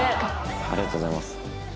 ありがとうございます。